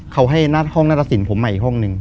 เขาให้หน้าห้องนัตรสินผมมาอีกห้องหนึ่ง